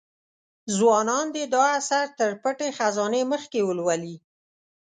ځوانان دي دا اثر تر پټې خزانې مخکې ولولي.